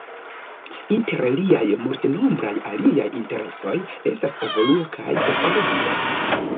Inter liaj multenombraj aliaj interesoj estas evoluo kaj ekologio.